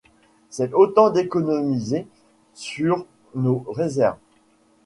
C’est autant d’économisé sur nos réserves.